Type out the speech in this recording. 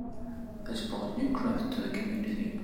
This brought new growth to the community.